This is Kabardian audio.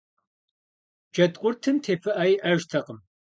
Джэдкъуртым тепыӀэ иӀэжтэкъым.